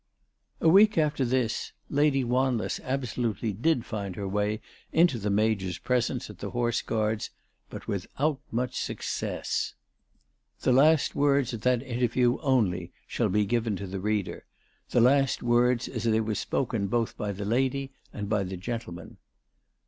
A week after this Lady Wanless absolutely did find her way into the Major's presence at the Horse Guards, but without much success. The last words at that interview only shall be given to the reader, the last ALICE DUGDALE. 409 words as they were spoken both by the lady and by the gentleman.